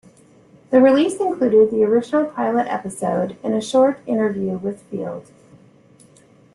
The release included the original pilot episode and a short interview with Field.